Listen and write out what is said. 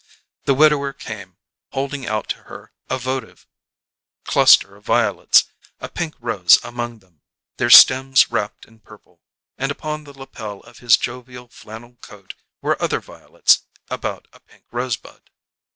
The widower came, holding out to her a votive cluster of violets, a pink rose among them, their stems wrapped in purple; and upon the lapel of his jovial flannel coat were other violets about a pink rosebud.